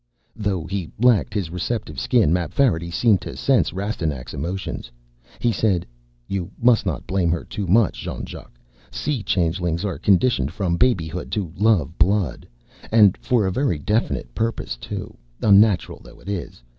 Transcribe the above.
Though he lacked his receptive Skin, Mapfarity seemed to sense Rastignac's emotions. He said, "You must not blame her too much, Jean Jacques. Sea changelings are conditioned from babyhood to love blood. And for a very definite purpose, too, unnatural though it is.